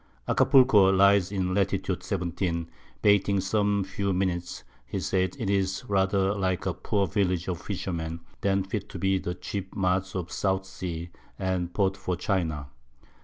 Acapulco lies in Lat. 17. bating some few Minutes, he says it is rather like a poor Village of Fishermen, than fit to be the chief Mart of the South Sea, and Port for China.